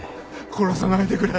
殺さないでくれ。